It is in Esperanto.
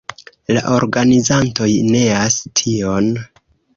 La organizantoj neas tion.